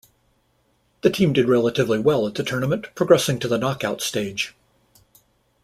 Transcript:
The team did relatively well at the tournament, progressing to the knockout stage.